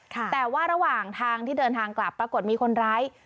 แต่ว่าระหว่างทางที่เดินทางกลับปรากฏมีคนร้าย